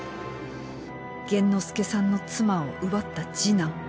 玄之介さんの妻を奪った次男。